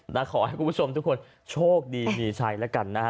ขอให้คุณผู้ชมทุกคนโชคดีมีชัยแล้วกันนะฮะ